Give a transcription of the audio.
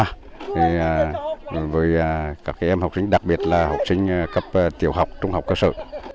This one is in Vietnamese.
đối với các em học sinh đặc biệt là học sinh cấp tiểu học trung học cơ sở